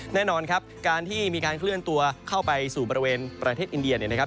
แน่นอนครับการที่มีการเคลื่อนตัวเข้าไปสู่บริเวณประเทศอินเดียเนี่ยนะครับ